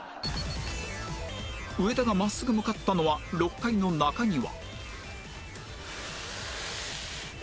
上田が真っすぐ向かったのは６階の中庭